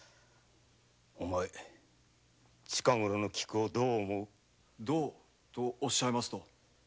オマエ近ごろの菊をどう思う？とおっしゃいますと？